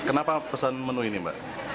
kenapa pesan menu ini mbak